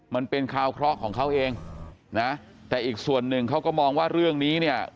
มันเป็นคราวเคราะห์ของเขาเองนะแต่อีกส่วนหนึ่งเขาก็มองว่าเรื่องนี้เนี่ย